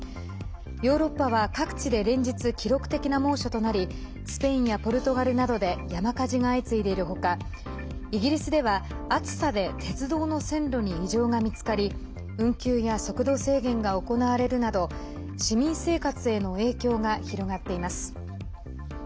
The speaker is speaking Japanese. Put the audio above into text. ヨーロッパは各地で連日、記録的な猛暑となりスペインやポルトガルなどで山火事が相次いでいるほかイギリスでは暑さで鉄道の線路に異常が見つかり運休や速度制限が行われるなど市民生活への影響が広がっています。